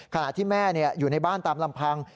ขณะที่แม่อยู่ในบ้านตามลำพัง